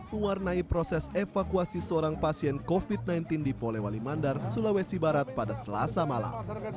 mewarnai proses evakuasi seorang pasien covid sembilan belas di polewali mandar sulawesi barat pada selasa malam